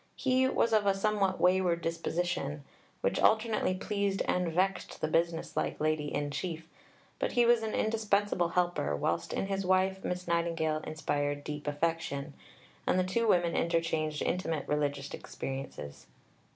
He was of a somewhat wayward disposition, which alternately pleased and vexed the business like Lady in Chief, but he was an indispensable helper, whilst in his wife Miss Nightingale inspired deep affection, and the two women interchanged intimate religious experiences.